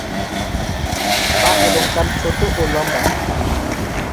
পা এবং কান ছোট ও লম্বাটে।